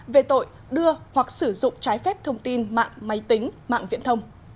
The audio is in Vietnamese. về tội đưa hoặc sử dụng trái phép thông tin mạng máy tính